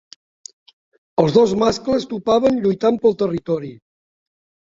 Els dos mascles topaven lluitant pel territori.